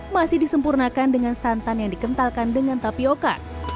masih disempurnakan dengan santan yang dikentalkan dengan tapioca